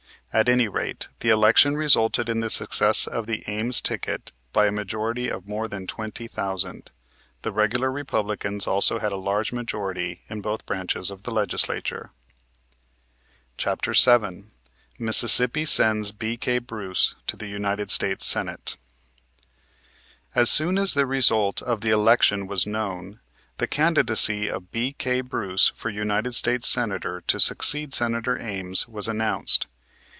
At any rate the election resulted in the success of the Ames ticket by a majority of more than twenty thousand. The regular Republicans also had a large majority in both branches of the Legislature. [Illustration: HON. B.K. BRUCE United States Senator, 1875 1881] CHAPTER VII MISSISSIPPI SENDS B.K. BRUCE TO THE UNITED STATES SENATE As soon as the result of the election was known, the candidacy of B.K. Bruce, for United States Senator to succeed Senator Ames, was announced.